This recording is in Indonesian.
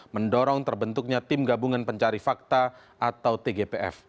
mendorong terbentuknya tim gabungan pencari fakta atau tgpf